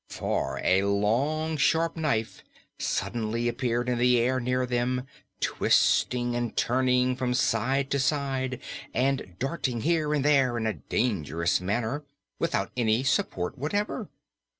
For a long, sharp knife suddenly appeared in the air near them, twisting and turning from side to side and darting here and there in a dangerous manner, without any support whatever.